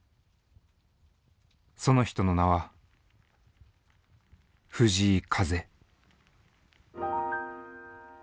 その人の名は藤井風。